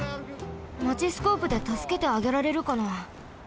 マチスコープでたすけてあげられるかな？